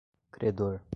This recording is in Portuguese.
credor